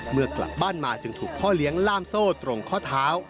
เมื่อกลับบ้านมาจึงถูกพ่อเลี้ยงล่ามโซ่ตรงข้อเท้า